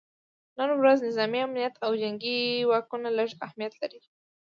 نن ورځ نظامي امنیت او جنګي واکونه لږ اهمیت لري